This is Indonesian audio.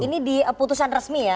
ini di putusan resmi ya